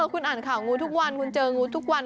คุณอ่านข่าวงูทุกวันคุณเจองูทุกวัน